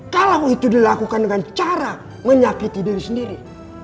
kalau itu dilakukan dengan cara menyakiti diri sendiri